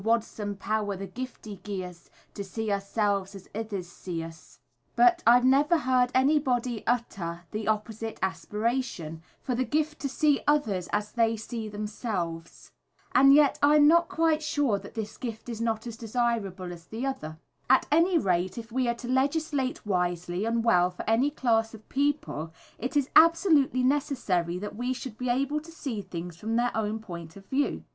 wad some power the giftie gie us, To see oursels as ithers see us; but I never heard anybody utter the opposite aspiration, for the gift to see others as they see themselves. And yet I am not quite sure that this gift is not as desirable as the other. At any rate, if we are to legislate wisely and well for any class of people it is absolutely necessary that we should be able to see things from their own point of view.